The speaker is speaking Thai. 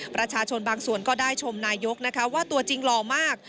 ประชาชนบางส่วนก็ได้ชมนายกนะคะว่าตัวจริงหล่อมาก